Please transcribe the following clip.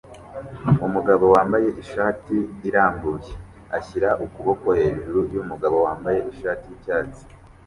Umugabo wambaye ishati irambuye ashyira ukuboko hejuru yumugabo wambaye ishati yicyatsi